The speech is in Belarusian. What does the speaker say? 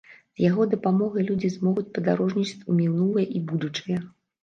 З яго дапамогай людзі змогуць падарожнічаць у мінулае і будучае.